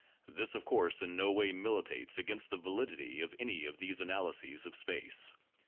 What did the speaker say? This, of course, in no way militates against the validity of any of these analyses of space.